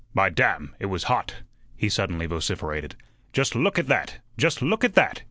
By damn! it was hot," he suddenly vociferated. "Just look at that! Just look at that!"